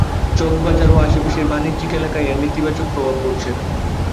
চকবাজার ও আশপাশের বাণিজ্যিক এলাকায় এর নেতিবাচক প্রভাব পড়ছে না।